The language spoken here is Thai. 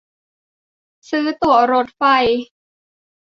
ซื้อตั๋วรถไฟ